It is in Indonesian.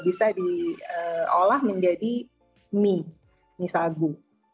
bisa diolah menjadi mie mie sagu